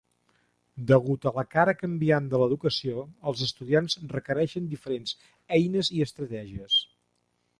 Degut a la cara canviant de l'educació, els estudiants requereixen diferents eines i estratègies.